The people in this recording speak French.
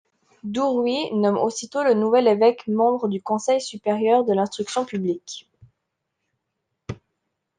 Duruy nomme aussitôt le nouvel évêque membre du conseil supérieur de l'Instruction publique.